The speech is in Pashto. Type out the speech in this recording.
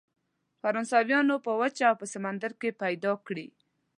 فرانسویان په وچه او سمندر کې پیدا کړي.